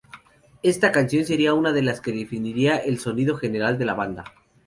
Esta canción seria una de las que definiría el sonido general de la banda.